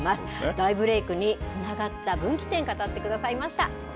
大ブレークにつながった分岐点、語ってくださいました。